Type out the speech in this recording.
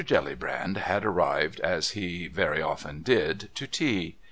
Jellybrand had arrived, as he very often did, to tea.